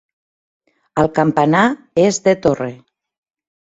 El campanar és de torre.